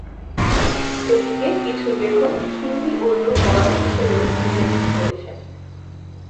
এটিকে কিছু লেখক হিন্দি-উর্দু বলয় হিসাবেও উল্লেখ করেছেন।